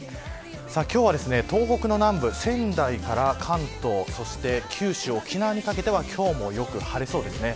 今日は東北の南部仙台から関東、そして九州、沖縄にかけては今日もよく晴れそうです。